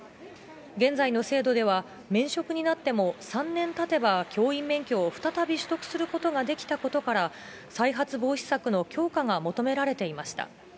現在の制度では、免職になっても３年たてば、教員免許を再び取得することができたことから、再発防止策の強化が求められていました。